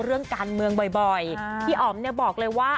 เรื่องการเมืองบ่อยพี่อ๋อมเนี่ยบอกเลยว่า